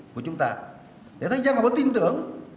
của chúng ta để thấy dân không có tin tưởng